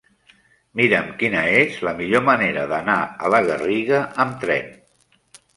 Mira'm quina és la millor manera d'anar a la Garriga amb tren.